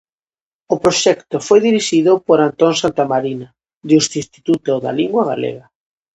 O proxecto foi dirixido por Antón Santamarina desde o Instituto da Lingua Galega.